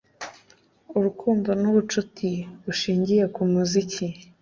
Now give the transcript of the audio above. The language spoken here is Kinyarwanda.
Urukundo ni ubucuti bushingiye ku muziki.”